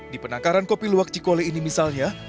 di penangkaran kopi luwak cikole ini misalnya